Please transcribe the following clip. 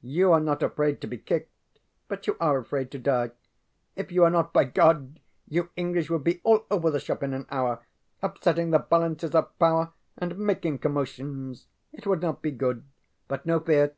You are not afraid to be kicked, but you are afraid to die. If you were not, by God! you English would be all over the shop in an hour, upsetting the balances of power, and making commotions. It would not be good. But no fear.